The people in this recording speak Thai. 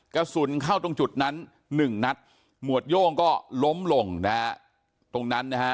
กระสุนเข้าตรงจุดนั้นหนึ่งนัดหมวดโย่งก็ล้มลงนะฮะตรงนั้นนะฮะ